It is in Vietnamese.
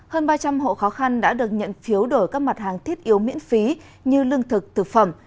hơn ba trăm linh hộ khó khăn đã được nhận phiếu đổi các mặt hàng thiết yếu miễn phí như lương thực thực phẩm